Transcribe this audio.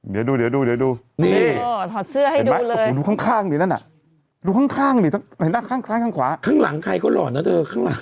เดี๋ยวดูทอดเสื้อให้ดูเลยดูข้างดูข้างข้างขวาข้างหลังใครก็หล่อนนะเธอ